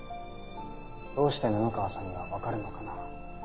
どうして布川さんにはわかるのかな。